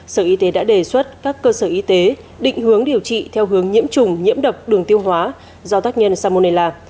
sở y tế đã đề xuất các cơ sở y tế định hướng điều trị theo hướng nhiễm trùng nhiễm độc đường tiêu hóa do tác nhân samonella